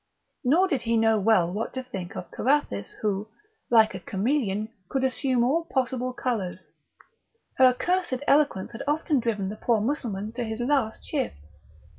Nor did he know well what to think of Carathis, who, like a chameleon, could assume all possible colours; her cursed eloquence had often driven the poor Mussulman to his last shifts.